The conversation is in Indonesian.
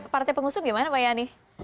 partai pengusung gimana pak yani